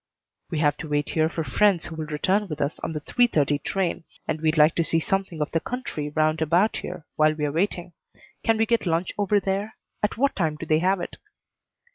"We have to wait here for friends who will return with us on the three thirty train, and we'd like to see something of the country round about here while we're waiting. Can we get lunch over there? And what time do they have it?"